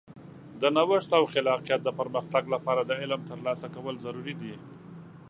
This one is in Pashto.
د نوښت او خلاقیت د پرمختګ لپاره د علم ترلاسه کول ضروري دي.